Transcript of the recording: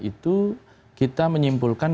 itu kita menyimpulkan